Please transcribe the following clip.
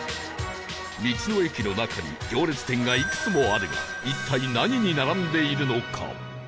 道の駅の中に行列店がいくつもあるが一体何に並んでいるのか？